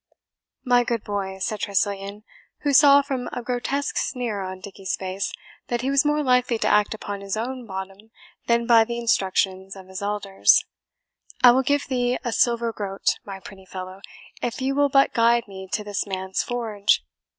"My good boy," said Tressilian, who saw, from a grotesque sneer on Dickie's face, that he was more likely to act upon his own bottom than by the instructions of his elders, "I will give thee a silver groat, my pretty fellow, if you will but guide me to this man's forge."